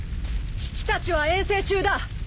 父たちは遠征中だ。